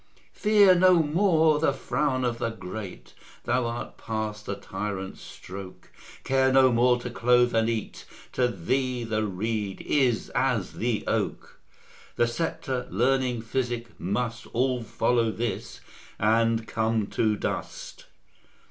Fear no more the frown of the great, Thou art past the tyrant's stroke: Care no more to clothe and eat; To thee the reed is as the oak: The sceptre, learning, physic, must All follow this, and come to dust.